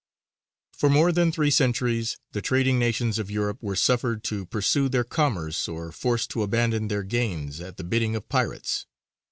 For more than three centuries the trading nations of Europe were suffered to pursue their commerce or forced to abandon their gains at the bidding of pirates.